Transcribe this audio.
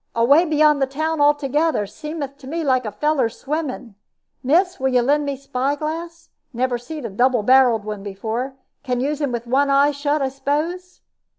Away beyond town altogether. Seemeth to me like a fellow swimming. Miss, will you lend me spy glass? Never seed a double barreled one before. Can use him with one eye shut, I s'pose?"